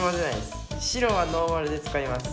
白はノーマルで使います。